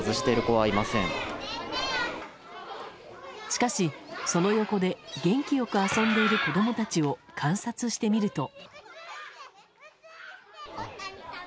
しかし、その横で元気よく遊んでいる子供たちを観察してみると。